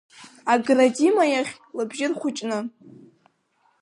Агра Дима иахь лыбжьы рхәыҷны.